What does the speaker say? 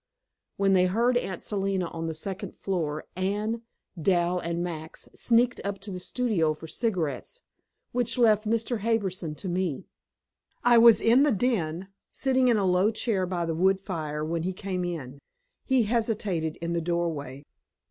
When they heard Aunt Selina on the second floor, Anne, Dal and Max sneaked up to the studio for cigarettes, which left Mr. Harbison to me. I was in the den, sitting in a low chair by the wood fire when he came in. He hesitated in the doorway.